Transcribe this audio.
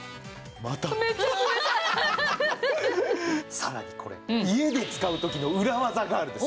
さらにこれ家で使う時の裏技があるんです。